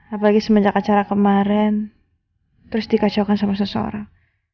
apalagi semenjak acara kemarin terus dikacaukan sama seseorang